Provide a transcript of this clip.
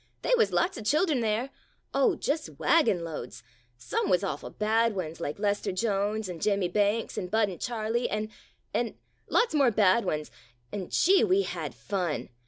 They wuz lots of childern there — oh, just wagon loads — some wuz awful bad ones, like Lester Jones and Jim mie Banks and Bud V Charlie, an' — an' — lots more bad ones, and, gee! we had fun.